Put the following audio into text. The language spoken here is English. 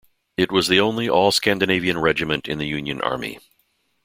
It was the only all Scandinavian regiment in the Union Army.